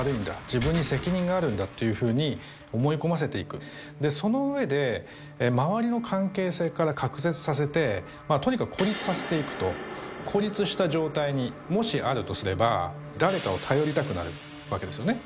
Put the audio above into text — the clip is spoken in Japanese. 自分に責任があるんだっていうふうに思い込ませていくでその上で周りの関係性から隔絶させてとにかく孤立させていくと孤立した状態にもしあるとすれば誰かを頼りたくなるわけですよね